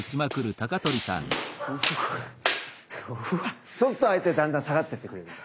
そうすると相手だんだん下がってってくれるから。